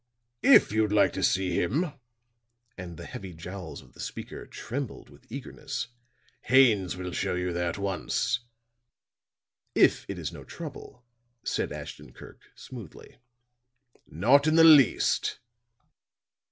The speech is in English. If you'd like to see him," and the heavy jowls of the speaker trembled with eagerness, "Haines will show you there at once." "If it is no trouble," said Ashton Kirk, smoothly. "Not in the least."